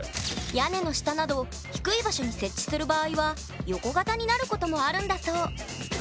屋根の下など低い場所に設置する場合は横型になることもあるんだそう。